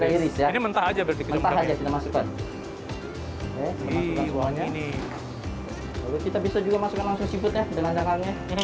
ini mentah aja kita masukkan kita bisa juga masukkan langsung siput ya dengan tangannya